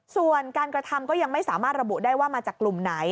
ส่วนการกระทำก็ยังไม่สามารถระบุได้ว่ามาจากกลุ่มไหน